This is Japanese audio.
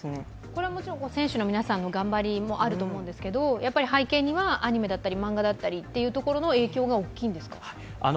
これはもちろん選手の皆さんの頑張りもあると思うんですけどやはり背景にはアニメや漫画の影響が大きいんですか？